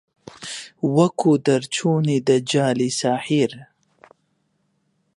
وەکوو دەرچوونی دەجاڵی ساحیر